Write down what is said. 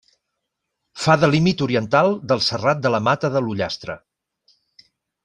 Fa de límit oriental del Serrat de la Mata de l'Ullastre.